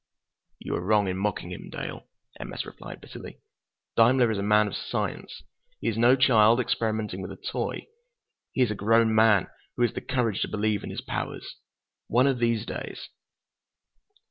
"You are wrong in mocking him, Dale," M. S. replied bitterly. "Daimler is a man of science. He is no child, experimenting with a toy; he is a grown man who has the courage to believe in his powers. One of these days...."